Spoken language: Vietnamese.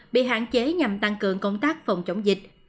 bị hạn chế nhằm tăng cường công tác phòng chống dịch